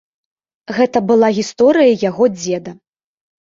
Гэта была гісторыя яго дзеда.